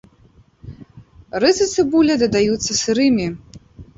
Рыс і цыбуля дадаюцца сырымі.